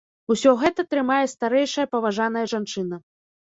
Усё гэта трымае старэйшая паважаная жанчына.